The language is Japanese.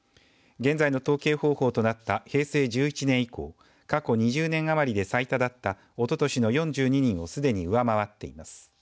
現在の統計方法となった平成１１年以降過去２０年余りで最多だったおととしの４２人をすでに上回っています。